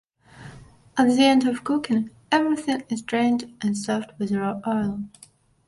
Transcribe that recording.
At the end of cooking everything is drained and served with raw oil.